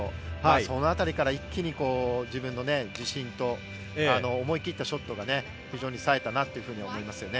その辺りから一気に自分の自信と思い切ったショットが非常にさえたなと思いましたね。